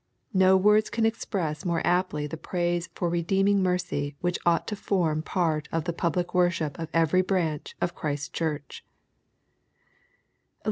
No words can express more aptly the praise for redeeming mercy which ought to form part of the public worship of every branch of Christ's Church.